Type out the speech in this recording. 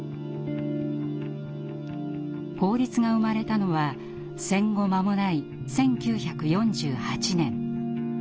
法律が生まれたのは戦後間もない１９４８年。